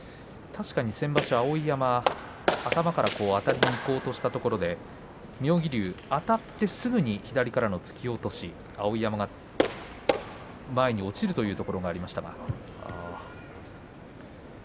確かに先場所は碧山頭から取りにいこうとしたところ妙義龍はあたってすぐに左から突き落とし碧山が前に落ちるというところがありました。